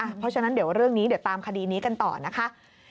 เพราะฉะนั้นเดี๋ยวเรื่องนี้เดี๋ยวตามคดีนี้กันต่อนะคะ